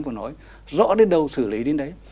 vừa nói rõ đến đâu xử lý đến đấy